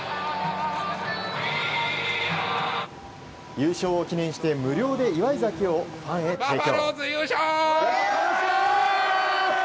優勝を記念して無料で祝い酒をファンへ提供。